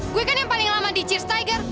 gue kan yang paling lama di cheese tiger